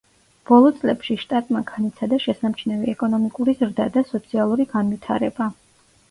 ბოლო წლებში, შტატმა განიცადა შესამჩნევი ეკონომიკური ზრდა და სოციალური განვითარება.